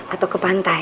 atau ke pantai